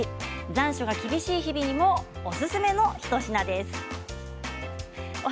残暑が厳しい日々にもおすすめの一品です。